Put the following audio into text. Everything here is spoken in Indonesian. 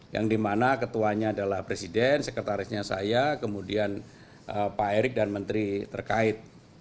yang dimana ketuanya adalah presiden sekretarisnya saya kemudian pak erik dan menteri terkait